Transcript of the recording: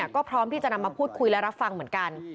ก็พร้อมที่จะนำมาพูดคุยและรับฟังเหมือนกัน